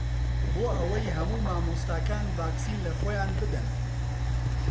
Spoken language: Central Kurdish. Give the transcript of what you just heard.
بۆ ئەوەی هەموو مامۆستاکان ڤاکسین لەخۆیان بدەن.